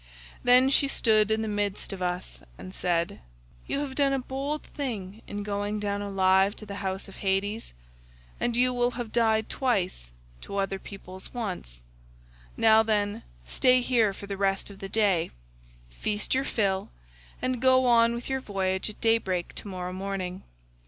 Then she stood in the midst of us and said, 'You have done a bold thing in going down alive to the house of Hades, and you will have died twice, to other people's once; now, then, stay here for the rest of the day, feast your fill, and go on with your voyage at daybreak tomorrow morning.